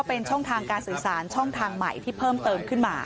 เป็นช่องทางการสื่อสารช่องทางใหม่ที่เพิ่มเติมขึ้นมา